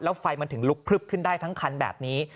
แล้วไฟมันถึงลุกพลึบขึ้นได้ทั้งคันแบบนี้